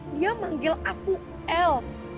dia manggil aku el